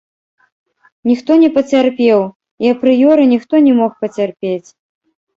Ніхто не пацярпеў, і апрыёры ніхто не мог пацярпець.